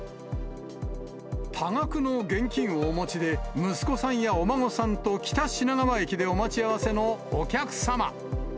多額の現金をお持ちで、息子さんやお孫さんと北品川駅でお待ち合わせのお客様！